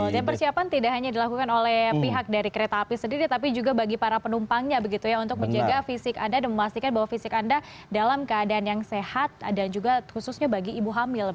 dan persiapan tidak hanya dilakukan oleh pihak dari kereta api sendiri tapi juga bagi para penumpangnya untuk menjaga fisik anda dan memastikan bahwa fisik anda dalam keadaan yang sehat dan juga khususnya bagi ibu hamil